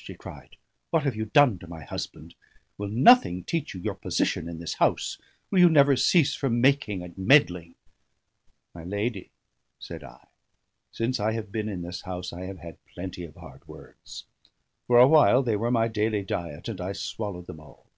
she cried. "What have you done to my husband? Will nothing teach you your position in this house? Will you never cease from making and meddling?" "My lady," said I, "since I have been in this house I have had plenty of hard words. For a while they were my daily diet, and I swallowed them all.